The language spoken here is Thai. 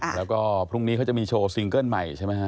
แล้วก็พรุ่งนี้เขาจะมีโชว์ซิงเกิ้ลใหม่ใช่ไหมฮะ